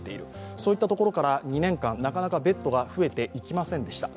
そういったところから、２年間、なかなかベッドが増えていきませんでした。